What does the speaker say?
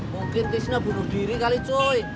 mungkin tisna bunuh diri kali cuy